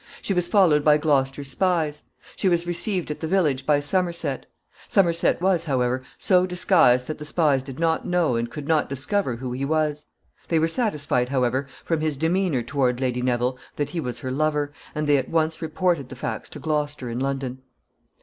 She was followed by Gloucester's spies. She was received at the village by Somerset. Somerset was, however, so disguised that the spies did not know and could not discover who he was. They were satisfied, however, from his demeanor toward Lady Neville, that he was her lover, and they at once reported the facts to Gloucester in London. [Sidenote: Plans for her return.